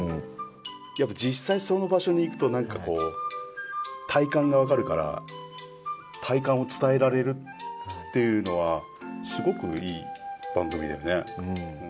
やっぱ実際その場所に行くと何かこう体感が分かるから体感を伝えられるっていうのはすごくいい番組だよね。